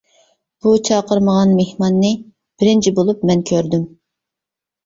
بۇ چاقىرمىغان مېھماننى بىرىنچى بولۇپ مەن كۆردۈم.